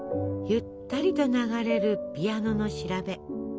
ゆったりと流れるピアノの調べ。